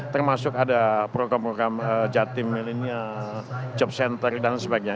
termasuk ada program program jatim milenial job center dan sebagainya